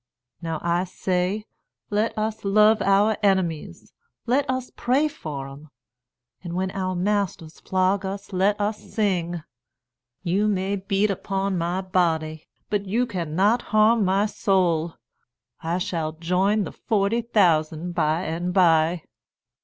Now I say, Let us love our enemies; let us pray for 'em; an' when our masters flog us, let us sing, 'You may beat upon my body, But you cannot harm my soul. I shall join the forty thousand by and by.'"